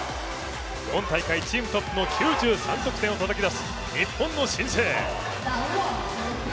今大会チームトップの９３得点をたたき出す日本の新星。